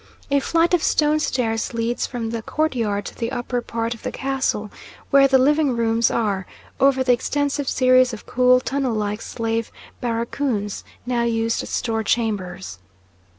A flight of stone stairs leads from the courtyard to the upper part of the castle where the living rooms are, over the extensive series of cool tunnel like slave barracoons, now used as store chambers.